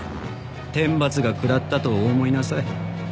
天罰が下ったとお思いなさい。